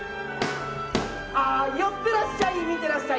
寄ってらっしゃい見てらっしゃい。